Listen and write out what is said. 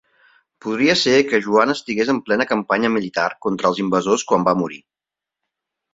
Podria ser que Joan estigués en plena campanya militar contra els invasors quan va morir.